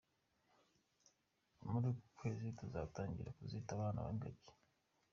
Muri uku kwezi tuzatangira bazita abana b' ingagi.